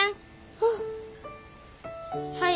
あっ。